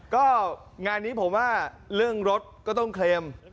ก็งานนี้ผมว่าเรื่องรถก็ต้องเคลม